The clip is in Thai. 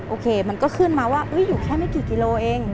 โอเคมันก็ขึ้นมาว่าอยู่แค่ไม่กี่กิโลเอง